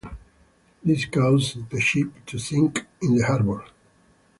This caused the ship to sink in the harbor.